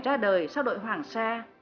ra đời sau đội hoàng sa